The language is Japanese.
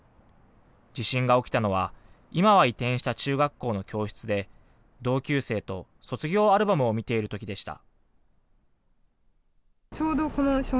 地震が起きたのは、今は移転した中学校の教室で、同級生と卒業アルバムを見ているときでした。